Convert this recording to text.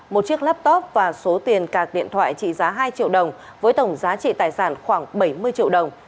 một chiếc laptop và số tiền cạc điện thoại trị giá hai triệu đồng với tổng giá trị tài sản khoảng bảy mươi triệu đồng